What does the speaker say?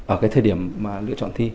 ở thời điểm lựa chọn thi